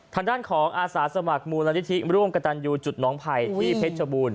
ทางด้านของอาสาสมัครมูลันทิธิร่วมกันอยู่จุดน้องภัยที่เพชรบุญ